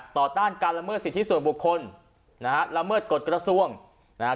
ต้านการละเมิดสิทธิส่วนบุคคลนะฮะละเมิดกฎกระทรวงนะฮะ